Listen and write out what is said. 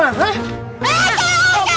waduh balak voya